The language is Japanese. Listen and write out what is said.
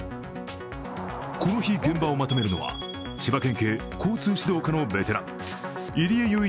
この日、現場をまとめるのは千葉県警交通指導課のベテラン入江雄一